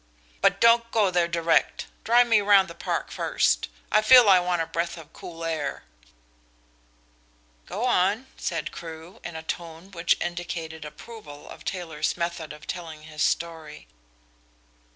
But don't go there direct. Drive me round the Park first. I feel I want a breath of cool air.'" "Go on," said Crewe, in a tone which indicated approval of Taylor's method of telling his story.